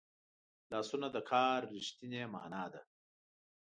لاسونه د کار رښتینې مانا ده